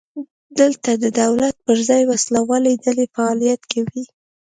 دلته د دولت پر ځای وسله والې ډلې فعالې دي.